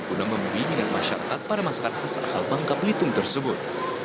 guna memimpinan masyarakat pada masakan khas asal bangka pelitung tersebut